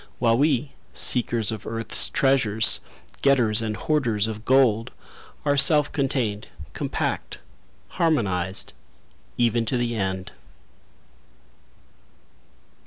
While we, seekers of earth's treasures Getters and hoarders of gold, Are self contained, compact, harmonized, Even to the end.